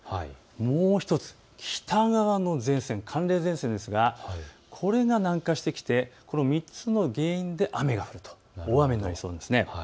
もう１つ、北側の前線、寒冷前線ですがこれが南下してきてこの３つの原因で雨が降ると大雨になりそうです。